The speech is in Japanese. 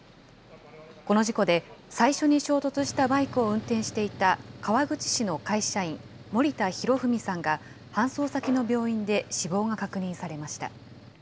この事故で、最初に衝突したバイクを運転していた川口市の会社員、森田裕史さんが搬送先の病院で死亡が確認されました。